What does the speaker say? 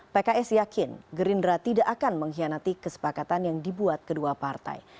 pks yakin gerindra tidak akan mengkhianati kesepakatan yang dibuat kedua partai